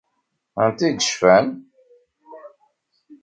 Anta i yecfan?